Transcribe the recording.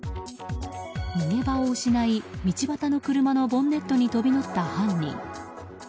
逃げ場を失い道端の車のボンネットに飛び乗った犯人。